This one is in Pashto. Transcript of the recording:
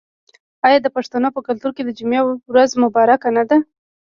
آیا د پښتنو په کلتور کې د جمعې ورځ مبارکه نه ده؟